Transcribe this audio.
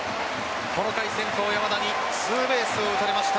この回、先頭・山田にツーベースを打たれました。